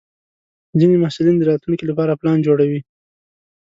ځینې محصلین د راتلونکي لپاره پلان جوړوي.